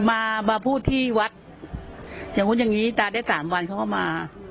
มามาพูดที่วัดอย่างนู้นอย่างนี้ตายได้สามวันเขาก็มา